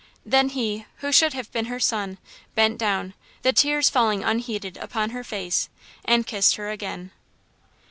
Then he, who should have been her son, bent down, the tears falling unheeded upon her face, and kissed her again.